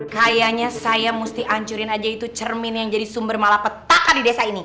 kayaknya saya mesti ancurin aja itu cermin yang jadi sumber malapetaka di desa ini